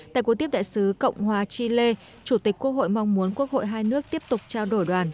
tại cuộc tiếp đại sứ cộng hòa chile chủ tịch quốc hội mong muốn quốc hội hai nước tiếp tục trao đổi đoàn